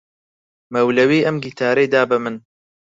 مەولەوی ئەم گیتارەی دا بە من.